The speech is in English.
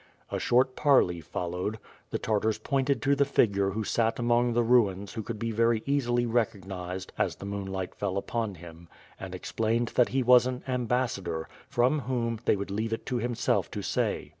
A short parley followed. The Tartars pointed to the figure who sat among the ruins who could be very easily recognized as the moonlight fell upon him; and explained that he was an ambassador, from whom, they would leave it to himself to say.